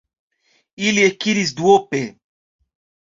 Ili ekiris duope.